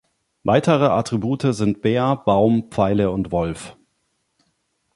Weitere Attribute sind Bär, Baum, Pfeile und Wolf.